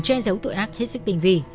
che giấu tội ác hết sức tình vì